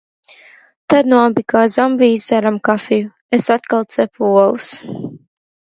Tad nu abi kā zombiji izdzērām kafiju. Es atkal cepu olas.